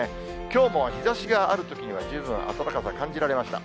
きょうも日ざしがあるときには十分暖かさ、感じられました。